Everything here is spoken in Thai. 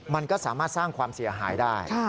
มันก็สามารถสร้างความเสียหายได้